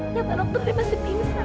ternyata dokter dia masih pingsan